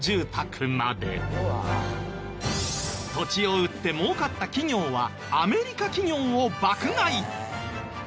土地を売って儲かった企業はアメリカ企業を爆買い。